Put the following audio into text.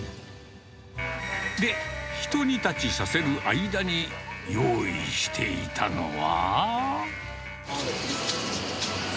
で、ひと煮立ちさせる間に用意していたのは。